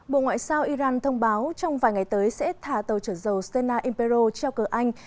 bộ ngoại giao iran thông báo trong vài ngày tới sẽ thả tàu trở dầu sena impero treo cờ anh